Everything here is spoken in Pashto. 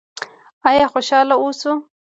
آیا خوشحاله اوسو؟